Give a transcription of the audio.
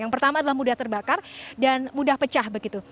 yang pertama adalah mudah terbakar dan mudah pecah begitu